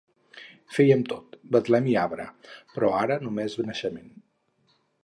Feiem tot, betlem i arbre, però ara només naixement.